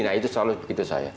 nah itu selalu begitu saya